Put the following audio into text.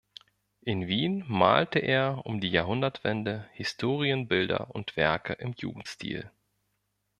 In Wien malte er um die Jahrhundertwende Historienbilder und Werke im Jugendstil.